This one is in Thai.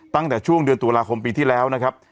ตั้งแต่ช่วงเดือนตุลาคมปีที่แล้วนะครับ